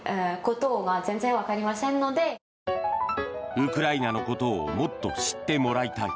ウクライナのことをもっと知ってもらいたい。